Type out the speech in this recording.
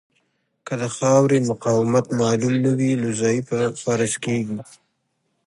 که د خاورې مقاومت معلوم نه وي نو ضعیفه فرض کیږي